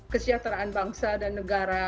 kesejahteraan bangsa dan negara